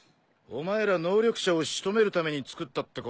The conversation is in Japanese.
お前ら能力者を仕留めるために作ったってことだろ？